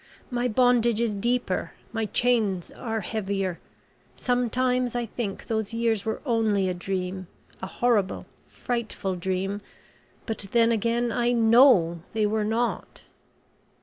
My bondage is deeper my chains are heavier. Sometimes I think those years were only a dream a horrible, frightful dream but then, again, I know they were not."